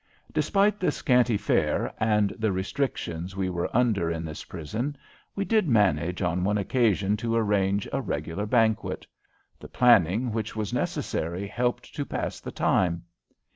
] Despite the scanty fare and the restrictions we were under in this prison, we did manage on one occasion to arrange a regular banquet. The planning which was necessary helped to pass the time.